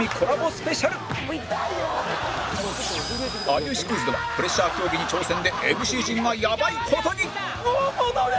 『有吉クイズ』ではプレッシャー競技に挑戦で ＭＣ 陣がやばい事に！